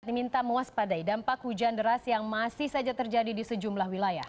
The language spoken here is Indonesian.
diminta mewaspadai dampak hujan deras yang masih saja terjadi di sejumlah wilayah